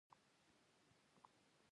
غول د اعصابو حالت اغېزمنوي.